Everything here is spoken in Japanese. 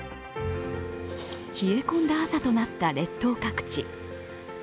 冷え込んだ朝となった列島各地。